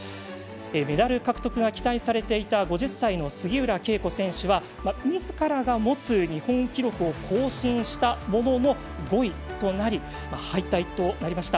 メダル獲得が期待されていた５０歳の杉浦佳子選手はみずからが持つ日本記録を更新したものの５位となり、敗退となりました。